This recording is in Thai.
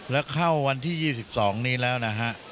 แล้วเข้าวันที่๒๒นี้แล้วนะฮะ